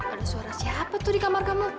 ada suara siapa tuh di kamar kamu